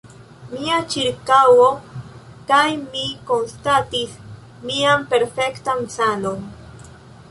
Mia ĉirkaŭo kaj mi konstatis mian perfektan sanon.